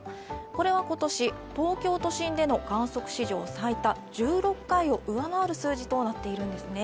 これは今年、東京都心での観測史上最多１６回を上回る数字となっているんですね。